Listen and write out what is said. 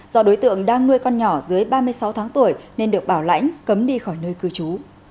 do đối tượng đang nuôi con nhỏ dưới ba mươi sáu tháng tuổi nên được bảo lãnh cấm đi khỏi nơi cư trú